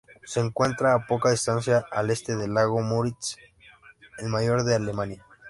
Se encuentra a poca distancia al este del lago Müritz, el mayor de Alemania.